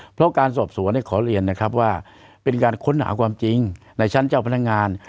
เพราะการสอบสวนขอเรียนนะครับว่าเป็นการค้นหาความจริงในชั้นเจ้าพนักงาน